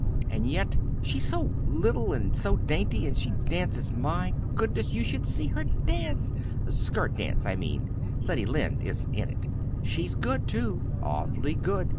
And yet she's so little and so dainty and she dances my goodness! you should see her dance, skirt dance I mean Letty Lind isn't in it! She's good too, awfully good.